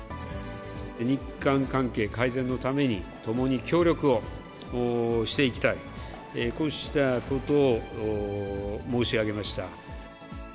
日韓関係改善のためにともに協力をしていきたい、こうしたことを申し上げました。